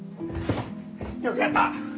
よくやった！